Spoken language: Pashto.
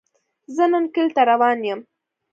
زۀ نن کلي ته روان يم